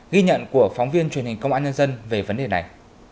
ghi nhận của phóng viên truyền hình công an nhân dân về vấn đề này